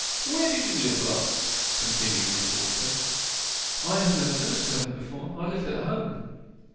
'Where did you live last?' continued Miss Aldclyffe. 'I have never been a servant before. I lived at home.